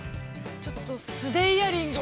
◆ちょっと素手イヤリングは。